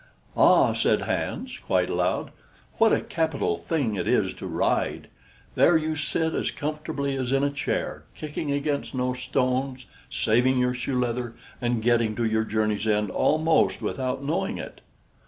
"Ah!" said Hans, quite aloud, "what a capital thing it is to ride! There you sit as comfortably as in a chair, kicking against no stones, saving your shoe leather, and getting to your journey's end almost without knowing it!"